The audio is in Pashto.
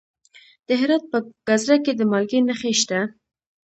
د هرات په ګذره کې د مالګې نښې شته.